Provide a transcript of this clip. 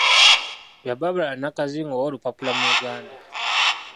Bya Balbala Nakazinga owa olupapaula mu Uganda.